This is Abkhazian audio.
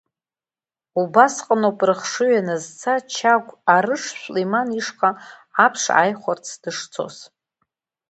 Убасҟан ауп рыхшыҩ аназца Чагә Арыш Шәлиман ишҟа аԥш ааихәарц дышцоз.